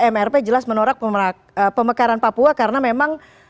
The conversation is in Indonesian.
mrp jelas menorak pemekaran papua karena memang